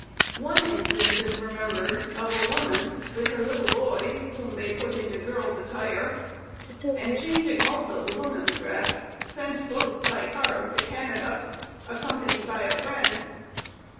One instance is remembered, of a woman, with her little boy, whom they put into girls' attire; and, changing also the woman's dress, sent both, by cars, to Canada, accompanied by a friend.